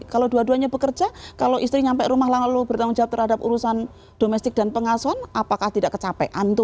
kalau dua duanya bekerja kalau istri sampai rumah lalu bertanggung jawab terhadap urusan domestik dan pengasuhan apakah tidak kecapean